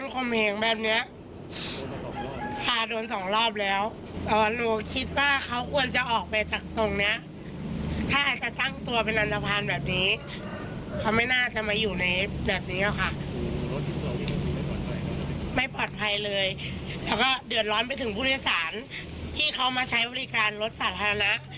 ความปลอดภัยเลยแล้วก็เดือดร้อนไปถึงผู้โดยสารที่เขามาใช้บริการรถสาธารณะ